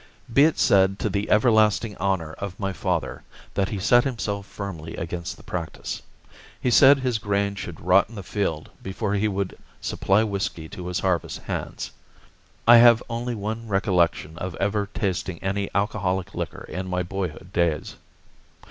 Be it said to the everlasting honor of my father, that he set himself firmly against the practice. He said his grain should rot in the field before he would supply whisky to his harvest hands. I have only one recollection of ever tasting any alcoholic liquor in my boyhood days.